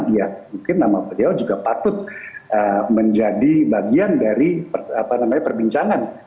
ya mungkin nama beliau juga patut menjadi bagian dari perbincangan